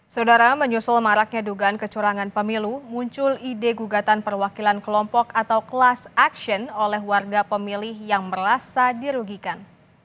saudara menyusul maraknya dugaan kecurangan pemilu muncul ide gugatan perwakilan kelompok atau class action oleh warga pemilih yang merasa dirugikan